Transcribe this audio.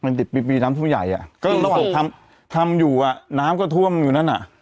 ในปีน้ำทั่วใหญ่อ่ะก็ต้องรับทำอยู่อ่ะน้ำก็ท่วมอยู่นั่นอ่ะ